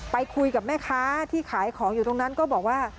ไปคุยกับแม่ค้าที่ขายของอยู่ตรงนั้นก็บอกว่า